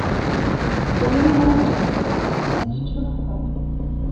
Der junge Mann hatte vergessen, dass er nicht schwimmen kann.